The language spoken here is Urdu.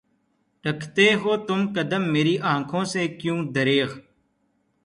رکھتے ہو تم قدم میری آنکھوں سے کیوں دریغ؟